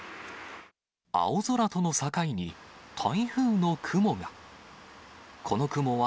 青空との境に、台風の雲が。